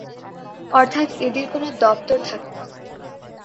অর্থাৎ এদের কোন দপ্তর থাকে না।